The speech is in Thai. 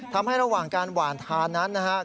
ทำให้ระหว่างการหวานทานั้นนะครับ